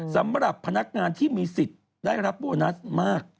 สำหรับพนักงานที่มีสิทธิ์ได้รับโบนัสมาก